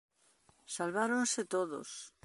Salváronse todos.